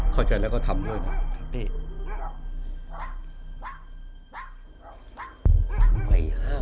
เข้าใจแล้วก็ทำด้วยนะนี่